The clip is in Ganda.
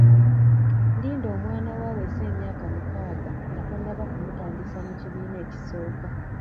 Linda omwana wo aweze emyaka mukaaga nga tonnaba kumutandisa mu kibiina ekisooka.